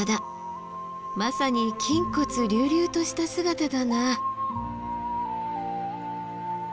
まさに筋骨隆々とした姿だな。